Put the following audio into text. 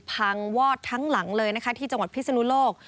วอดทั้งหลังเลยนะคะที่จังหวัดพิศนุโลก